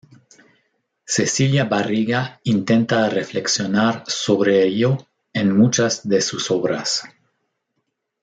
Cecilia Barriga intenta reflexionar sobre ello en muchas de sus obras.